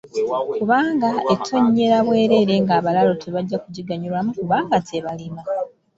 Kubanga etonnyera bwereere nga abalaalo tebajja kugiganyulwamu kubanga tebalima.